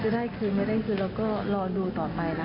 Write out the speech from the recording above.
ได้คืนไม่ได้คืนเราก็รอดูต่อไปนะคะ